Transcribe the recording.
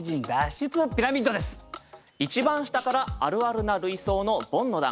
一番下からあるあるな類想のボンの段。